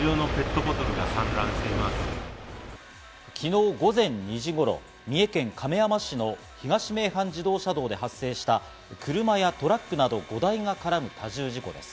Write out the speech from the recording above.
昨日午前２時頃、三重県亀山市の東名阪自動車道で発生した、車やトラックなど５台が絡む多重事故です。